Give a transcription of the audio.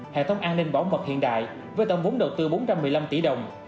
hệ thống an ninh bảo mật hiện đại với tổng vốn đầu tư bốn trăm một mươi năm tỷ đồng